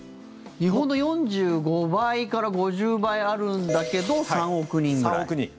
日本の４５倍から５０倍あるんだけど、３億人ぐらい。